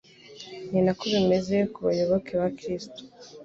Ni nako bimeze ku bayoboke ba Kristo.